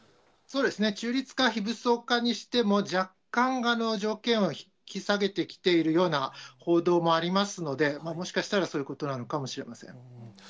そうですね、中立化、非武装化にしても、若干、条件を引き下げてきているような報道もありますので、もしかしたら、そういうことなのかもしれません。